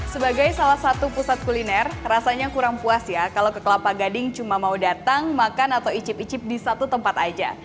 sebagai salah satu pusat kuliner rasanya kurang puas ya kalau ke kelapa gading cuma mau datang makan atau icip icip di satu tempat aja